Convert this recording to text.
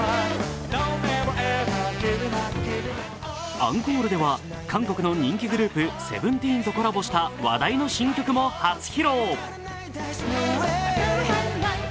アンコールでは韓国の人気グループ・ＳＥＶＥＮＴＥＥＮとコラボした話題の新曲も初披露。